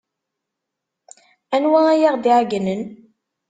Anwa ay aɣ-d-iɛeyynen?